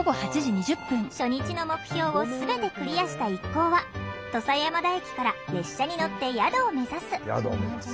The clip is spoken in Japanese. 初日の目標を全てクリアした一行は土佐山田駅から列車に乗って宿を目指す。